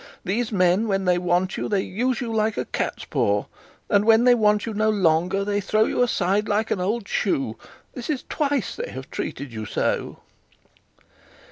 'These men, when they want you, they use you like a cat's paw; and when they want you no longer, they throw you aside like an old shoe. This is twice they have treated you so.'